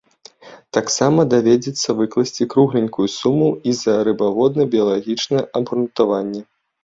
Таксама давядзецца выкласці кругленькую суму і за рыбаводна-біялагічнае абгрунтаванне.